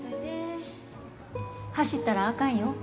走ったら、あかんよ。